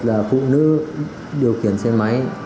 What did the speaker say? là phụ nữ điều khiển xe máy